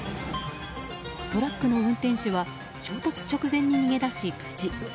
トラックの運転手は衝突直前に逃げ出し、無事。